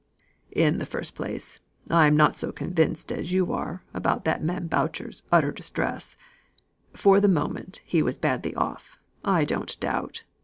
"In the first place, I am not so convinced as you are about that man Boucher's utter distress; for the moment, he was badly off, I don't doubt.